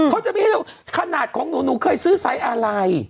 เขาจะมีให้ดูขนาดของหนูหนูเคยซื้อไซส์อะไร